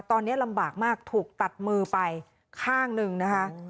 ตอนนี้ลำบากมากถูกตัดมือไปข้างหนึ่งนะคะ